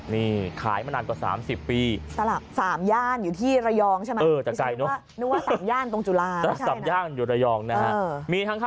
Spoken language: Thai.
นี่ขายมานานกว่า๓๐ปี